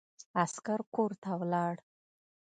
عسکر کورته ولاړ.